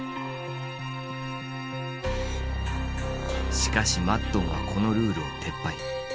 しかしマッドンはこのルールを撤廃。